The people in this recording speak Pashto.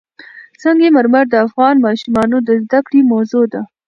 سنگ مرمر د افغان ماشومانو د زده کړې موضوع ده.